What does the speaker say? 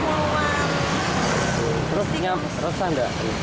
terus nyampe resah nggak